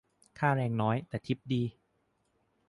ค่าแรงน้อย แต่ทิปดี